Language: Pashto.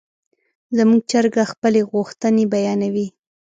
زموږ چرګه خپلې غوښتنې بیانوي.